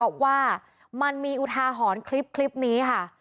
บอกว่ามันมีอุทาหรณ์คลิปนี้ค่ะ